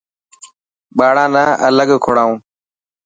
ٻاڙان نا الگ ڪوڙائو.